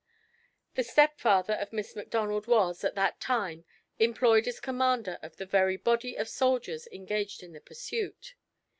The stepfather of Miss Macdonald was, at that time, employed as commander of the very body of soldiers engaged in the pursuit.